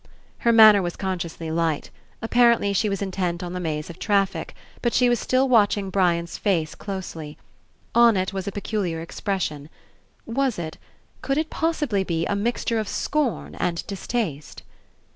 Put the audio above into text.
Her manner was consciously light. Ap parently she was intent of the maze of traffic, but she was still watching Brian's face closely. On it was a peculiar expression. Was it, could 104 RE ENCOUNTER It possibly be, a mixture of scorn and distaste?